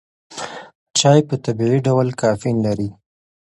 چای په طبیعي ډول کافین لري.